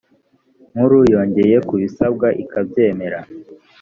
nkuru yongeye kubisabwa ikabyemera